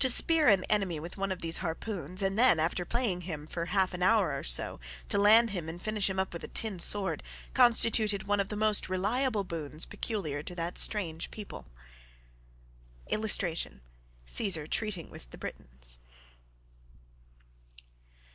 To spear an enemy with one of these harpoons, and then, after playing him for half an hour or so, to land him and finish him up with a tin sword, constituted one of the most reliable boons peculiar to that strange people. [Illustration: CAESAR TREATING WITH THE BRITONS.